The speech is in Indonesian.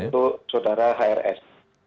untuk sodara hrs